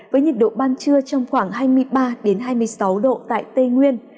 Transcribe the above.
với nhiệt độ ban trưa trong khoảng hai mươi ba hai mươi sáu độ tại tây nguyên